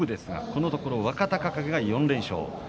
このところ若隆景が４連勝です。